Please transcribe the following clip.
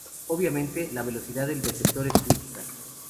Obviamente, la velocidad del detector es crítica.